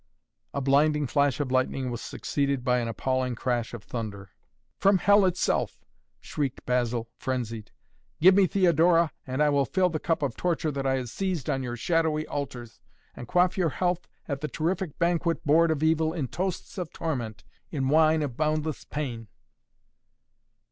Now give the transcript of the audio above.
A blinding flash of lightning was succeeded by an appalling crash of thunder. "From Hell itself!" shrieked Basil frenzied. "Give me Theodora and I will fill the cup of torture that I have seized on your shadowy altars, and quaff your health at the terrific banquet board of Evil in toasts of torment in wine of boundless pain!"